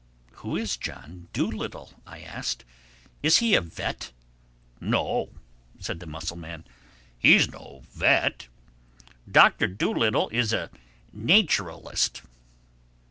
"Who is John Dolittle?" I asked. "Is he a vet?" "No," said the mussel man. "He's no vet. Doctor Dolittle is a nacheralist."